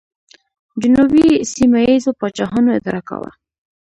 جنوب یې سیمه ییزو پاچاهانو اداره کاوه